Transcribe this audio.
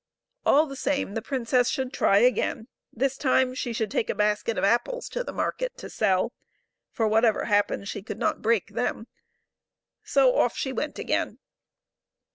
All the same, the princess should try again ; this time she should take a basket of apples to the market to sell ; for whatever happened she could not break them ; so off she went again.